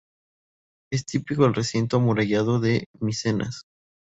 Es típico el recinto amurallado de Micenas.